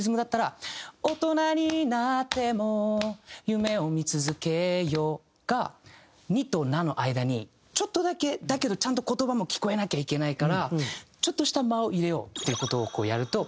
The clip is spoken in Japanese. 「夢を見続けよう」が「に」と「な」の間にちょっとだけだけどちゃんと言葉も聞こえなきゃいけないからちょっとした間を入れようっていう事をやると。